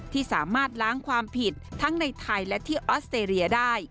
ที่สามารถล้างความผิดทั้งในไทยและที่ออสเตรเลียได้